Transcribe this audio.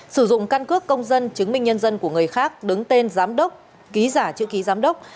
sử dụng căn cước công dân chứng minh nhân dân của người khác đứng tên giám đốc ký giả chữ ký giám đốc